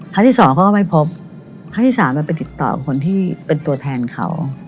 ที่สองเขาก็ไม่พบครั้งที่สามมันไปติดต่อกับคนที่เป็นตัวแทนเขา